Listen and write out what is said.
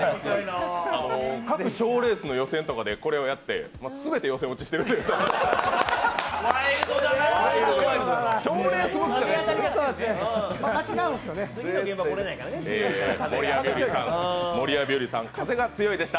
各賞レースの予選とかでこれをやって全て予選落ちしているんです。